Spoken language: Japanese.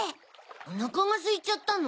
おなかがすいちゃったの？